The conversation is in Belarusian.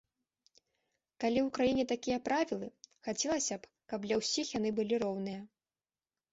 Калі ў краіне такія правілы, хацелася б, каб для ўсіх яны былі роўныя.